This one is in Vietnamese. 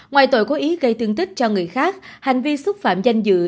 ngoài tội cố ý gây thương tích cho người khác hành vi xúc phạm danh dự